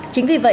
chính vì vậy